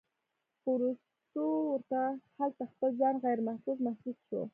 خو وروستو ورته هلته خپل ځان غيرمحفوظ محسوس شو